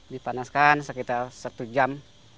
dipanaskan sekitar satu jam